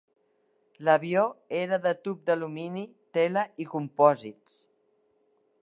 L'avió era de tub d'alumini, tela i compòsits.